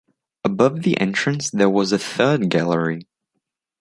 Above the entrance there was a third gallery.